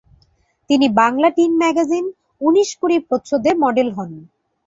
তিনি Bangla teen magazine "Unish Kuri" প্রচ্ছদে model হন।